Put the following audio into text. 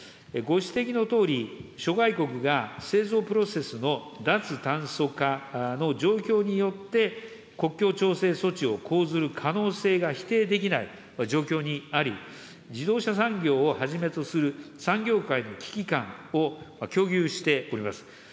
ご指摘のとおり、諸外国が製造プロセスの脱炭素化の状況によって、国境調整措置を講ずる可能性が否定できない状況にあり、自動車産業をはじめとする産業界の危機感を共有しております。